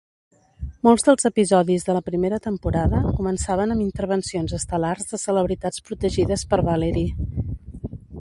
Molts dels episodis de la primera temporada començaven amb intervencions estel·lars de celebritats protegides per Vallery.